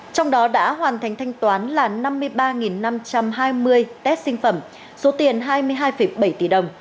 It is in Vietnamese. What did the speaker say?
trong đó đã hoàn thành thanh toán là năm mươi ba năm trăm hai mươi test sinh phẩm số tiền hai mươi hai bảy tỷ đồng